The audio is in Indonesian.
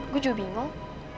gue juga bingung